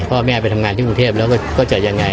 พ่อแม่ไปทำงานที่กรุงเทพแล้วก็จะยังไง